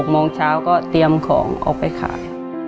โมงเช้าก็เตรียมของออกไปขาย